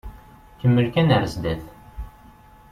Kemmel kan ar zdat.